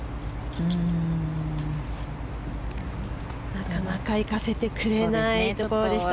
なかなかいかせてくれないところでした。